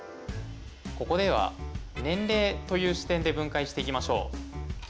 ここでは年齢という視点で分解していきましょう。